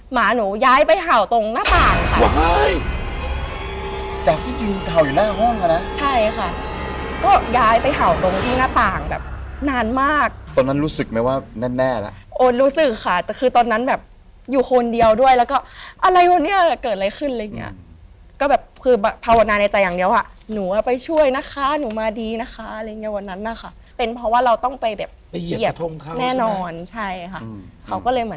หมาหนูย้ายไปเผ่าตรงหน้าต่างค่ะ